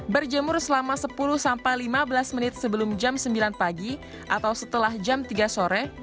berjemur selama sepuluh sampai lima belas menit sebelum jam sembilan pagi atau setelah jam tiga sore